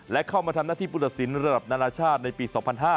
และเข้ามาทำหน้าที่ผู้ตัดสินระดับนานาชาติในปี๒๕๕๙